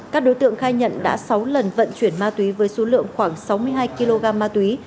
các đối tượng khai nhận đã sáu lần vận chuyển ma túy với số lượng khoảng sáu mươi hai kg ma túy